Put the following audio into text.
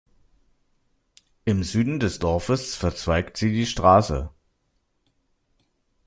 Im Süden des Dorfes verzweigt sie die Straße.